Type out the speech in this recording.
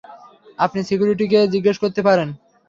আপনি সিকিউরিটিকে জিজ্ঞেস করতে পারেন।